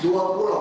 dua pulau pak